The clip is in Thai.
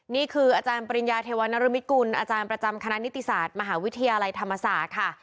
นี่คืออาจารย์ปริญญาเทวรนรมิตกุลอาจารย์ประจำคณะนิติศาสตร์มหาวิทยาลัยธรรมศาสตร์ค่ะ